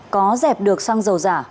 có dẹp được xăng dầu giả